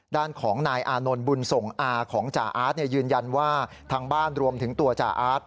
ด้านของนายอานนท์บุญส่งอาของจ่าอาร์ตยืนยันว่าทางบ้านรวมถึงตัวจ่าอาร์ต